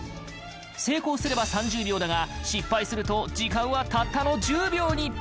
成功すれば３０秒だが失敗すると時間はたったの１０秒に！